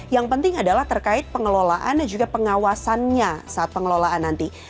yang penting adalah terkait pengelolaan dan juga pengawasannya saat pengelolaan nanti